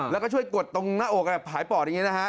แล้วก็ช่วยกดตรงหน้าอกหายปอดอย่างนี้นะฮะ